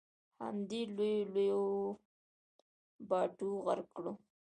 همدې لویو لویو باټو غرق کړو.